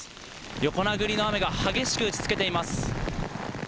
横殴りの雨が激しく打ちつけています。